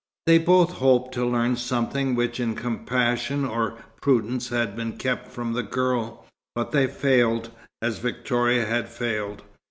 They both hoped to learn something which in compassion or prudence had been kept from the girl; but they failed, as Victoria had failed.